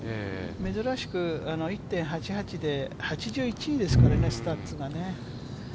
珍しく１．８８で８１位ですからね、スタッツがね。